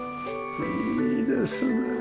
いいですね！